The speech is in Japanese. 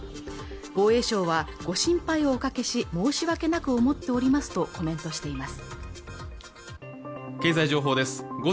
防衛省はご心配をおかけし申し訳なく思っておりますとコメントしています